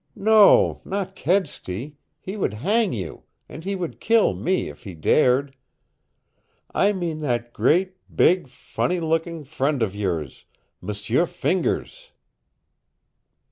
"No, not Kedsty. He would hang you, and he would kill me, if he dared. I mean that great, big, funny looking friend of yours, M'sieu Fingers!"